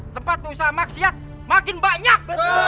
tempat usaha maksiat makin banyak